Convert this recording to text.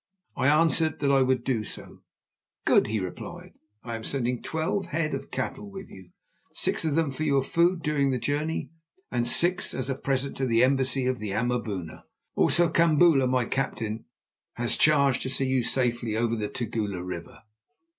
I answered that I would do so. "Good," he replied. "I am sending twelve head of cattle with you, six of them for your food during your journey, and six as a present to the embassy of the Amaboona. Also Kambula, my captain, has charge to see you safely over the Tugela River."